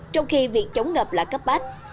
trong khi việc chống ngập là cấp bát